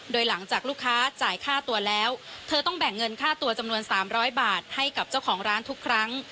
โดยหลังจากลูกค้าจ่ายค่าตัวแล้วเธอต้องแบ่งเงินค่าตัวจำนวน๓๐๐บาทให้กับเจ้าของร้านทุกครั้ง